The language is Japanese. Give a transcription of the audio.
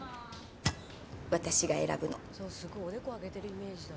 私が選ぶの。